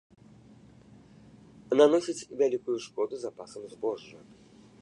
Наносіць вялікую шкоду запасам збожжа.